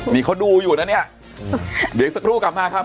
นี่เขาดูอยู่นะเนี่ยเดี๋ยวสักครู่กลับมาครับ